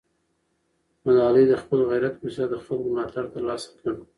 ملالۍ د خپل غیرت په وسیله د خلکو ملاتړ ترلاسه کړ.